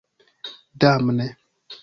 Damne!